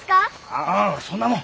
ああそんなもん！